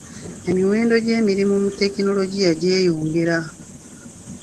Emiwendo gy'emirimu mu tekinologiya gyeyongera.